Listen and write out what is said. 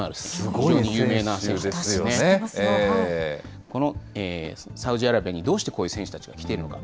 この有名な、サウジアラビアにどうしてこういう選手たちが来ているのか。